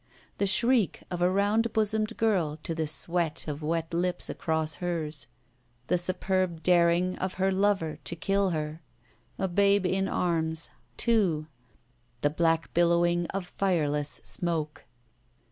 The shriek of a round bosomed girl to the smear of wet lips across hers. The superb daring of her lover to kill her. A babe in arms. Two. The black billowing of fireless smoke.